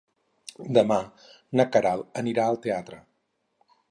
Demà na Queralt anirà al teatre.